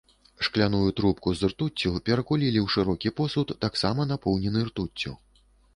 Шкляную трубку з ртуццю перакулілі ў шырокі посуд, таксама напоўнены ртуццю.